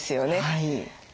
はい。